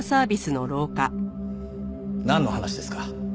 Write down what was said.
なんの話ですか？